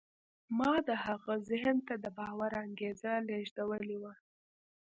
ما د هغه ذهن ته د باور انګېزه لېږدولې وه